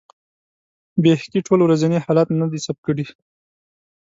بیهقي ټول ورځني حالات نه دي ثبت کړي.